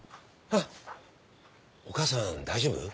お母さん大丈夫？